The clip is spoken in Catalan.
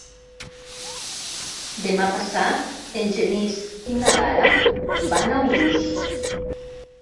Demà passat en Genís i na Lara van a Urús.